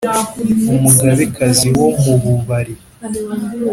Umugabekazi wo mu Mubari.